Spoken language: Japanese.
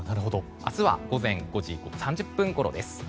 明日は午前５時３０分ごろです。